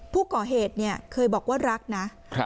ผู้ก่อเหตุเนี่ยเคยบอกว่ารักนะ